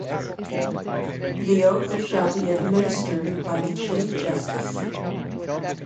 The oath shall be administered by the Chief Justice.